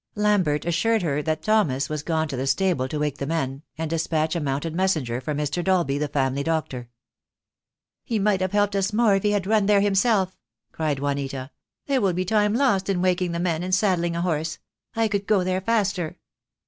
Lambert assured her that Thomas was gone to the stable to wake the men, and despatch a mounted messenger for Mr. Dolby, the family doctor. "He might have helped us more if he had run there himself," cried Juanita. "There will be time lost in waking the men, and saddling a horse. I could go there faster."